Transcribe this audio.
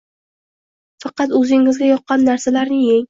Faqat o‘zingizga yoqqan narsalarni yeng.